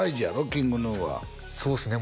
ＫｉｎｇＧｎｕはそうっすね